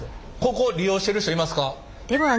ここ利用してる人いますか？